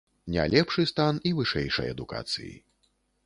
Не лепшы стан і вышэйшай адукацыі.